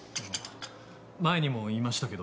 前にも言いましたけど。